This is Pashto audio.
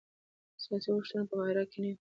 د سیاسي اوښتونونو په محراق کې نه و.